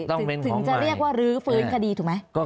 ถึงจะเรียกว่ารื้อฟื้นคดีถูกไหม